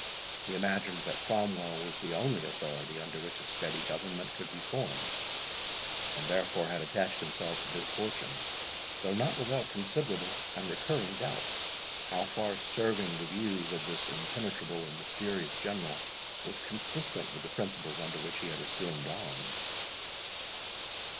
He imagined that Cromwell was the only authority under which a steady government could be formed, and therefore had attached himself to his fortune, though not without considerable and recurring doubts, how far serving the views of this impenetrable and mysterious General was consistent with the principles under which he had assumed arms.